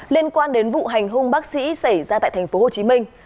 liên quan đến vụ hành hung bác sĩ xảy ra tại thành phố hồ chí minh